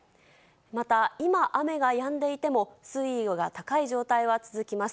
また今、雨がやんでいても、水位が高い状態は続きます。